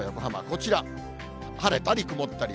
こちら、晴れたり曇ったり。